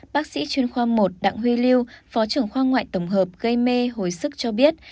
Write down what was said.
bác sĩ chuyên khoa một đặng huy lưu phó trưởng khoa ngoại tổng hợp gây mê hồi sức cho biết